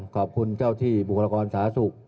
ขอบคุณเจ้าที่บุคลากรสาศุกร์